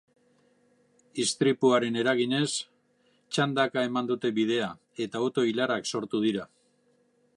Istripuaren eraginez, txandaka eman dute bidea, eta auto-ilarak sortu dira.